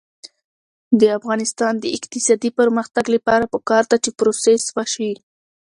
د افغانستان د اقتصادي پرمختګ لپاره پکار ده چې پروسس وشي.